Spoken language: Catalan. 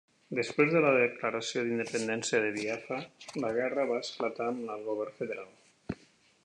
Després de la declaració d'independència de Biafra, la guerra va esclatar amb el Govern Federal.